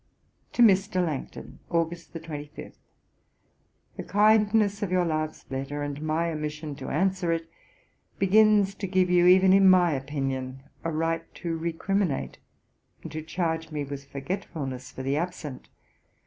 To MR. LANGTON: Aug. 25. 'The kindness of your last letter, and my omission to answer it, begins to give you, even in my opinion, a right to recriminate, and to charge me with forgetfulness for the absent.